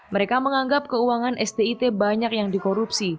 mereka menganggap keuangan sti t banyak yang dikorupsi